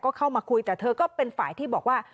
ก็เข้ามาคุยแต่เธอก็เป็นฝ่ายที่บอกว่า